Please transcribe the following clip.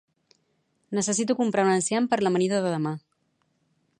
necessito comprar un enciam per l'amanida de demà